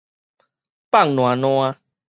放懶懶